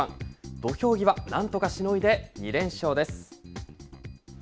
土俵際、なんとかしのいで２連勝です。